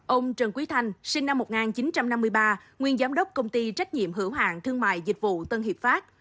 ông trần quý thanh sinh năm một nghìn chín trăm năm mươi ba nguyên giám đốc công ty trách nhiệm hữu hạng thương mại dịch vụ tân hiệp pháp